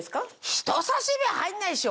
人さし指は入んないでしょ？